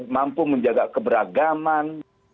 mampu menjaga keberagaman